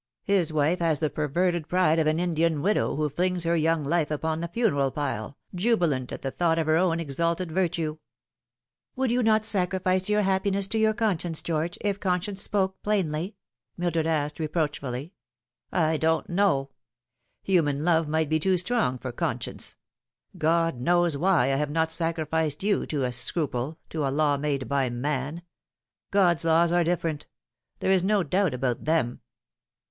His wife has the perverted pride of an Indian widow who flings her young life upon the funeral pile, jubilant at the thought of her own exalted virtue." " Would you not sacrifice your happiness to your conscience, George, if conscience spoke plainly ?" Mildred asked reproach fully. " I don't know. Human love might be too strong for con science. God knows I would not have sacrificed you to a scruple to a law made by man. God's laws are different. There is no doubt about them."